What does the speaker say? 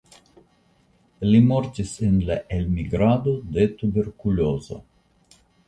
Li mortis en la elmigrado de tuberkulozo.